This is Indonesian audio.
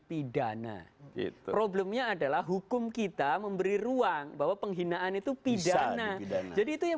pidana problemnya adalah hukum kita memberi ruang bahwa penghinaan itu pidana jadi itu yang